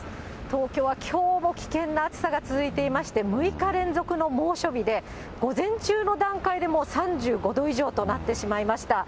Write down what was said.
東京はきょうも危険な暑さが続いていまして、６日連続の猛暑日で、午前中の段階でもう３５度以上となってしまいました。